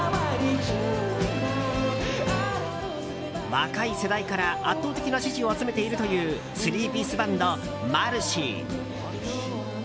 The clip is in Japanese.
若い世代から圧倒的な支持を集めているというスリーピースバンド、マルシィ。